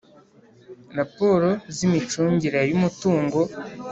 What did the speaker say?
raporo z imicungire y umutungo